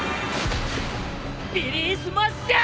ビリースマッシャー！